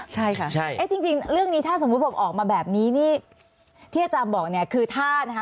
ใช่ค่ะเอ๊ะจริงเรื่องนี้ถ้าสมมุติบอกออกมาแบบนี้นี่ที่อาจารย์บอกเนี่ยคือถ้านะคะ